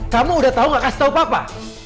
kamu udah tahu gak kasih tahu papa